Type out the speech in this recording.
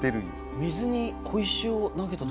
水に小石を投げた時。